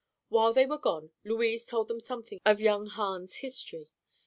While they were gone Louise told them something of young Hahn's history.